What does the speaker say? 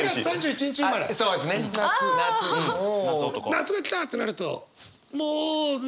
夏が来たってなるともう何？